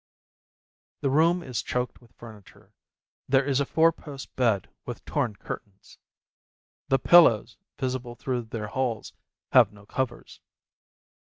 The room is choked with furniture; there is a four post bed with torn curtains. The pillows visible through their holes have no covers.